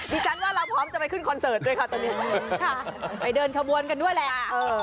ฉันว่าเราพร้อมจะไปขึ้นคอนเสิร์ตด้วยค่ะตอนนี้ค่ะไปเดินขบวนกันด้วยแหละ